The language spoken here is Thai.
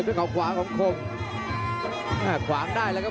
โหโหโหโหโหโหโหโหโหโหโหโหโหโหโหโหโห